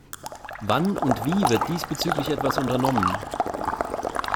Wann und wie wird diesbezüglich etwas unternommen?